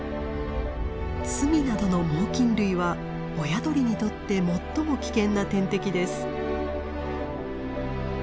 ツミなどの猛きん類は親鳥にとって最も危険な天敵です。